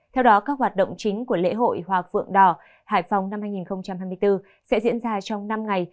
theo đó các hoạt động chính của lễ hội hoa vượng đỏ hải phòng năm hai nghìn hai mươi bốn sẽ diễn ra trong năm ngày